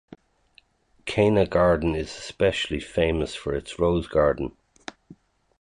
Kana Garden is especially famous for its rose garden.